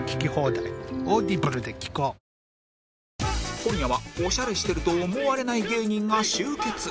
今夜はオシャレしてると思われない芸人が集結